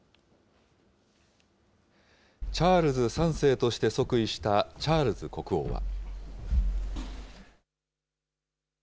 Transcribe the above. チャールズ３世として即位したチャールズ国王は。